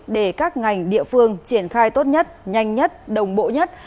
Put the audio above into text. để các ngành địa phương triển khai tốt nhất nhanh nhất đồng bộ nhất